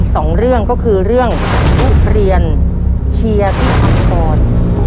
ทุเรียนเหรอ